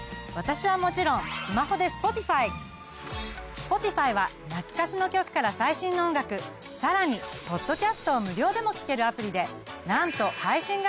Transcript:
Ｓｐｏｔｉｆｙは懐かしの曲から最新の音楽さらにポッドキャストを無料でも聞けるアプリでなんと配信楽曲は邦楽含め８，０００万